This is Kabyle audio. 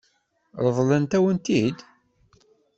Ṛeḍlent-awen-t-id?